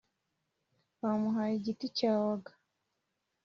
bamuhaye igiti cya waga.